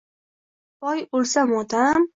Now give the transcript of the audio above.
Boy o’lsa-motam.